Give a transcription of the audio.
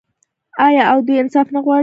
آیا او دوی انصاف نه غواړي؟